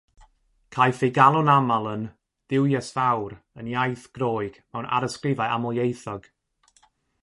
Caiff ei galw'n aml yn “Dduwies Fawr” yn iaith Groeg mewn arysgrifau amlieithog.